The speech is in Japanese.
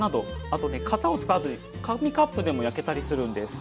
あとね型を使わずに紙カップでも焼けたりするんです。